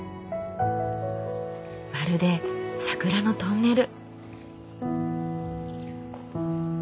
まるで桜のトンネル。